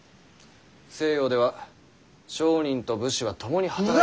西洋では商人と武士は共に働いて。